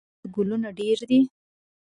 ستا د ښايست ګلونه ډېر دي.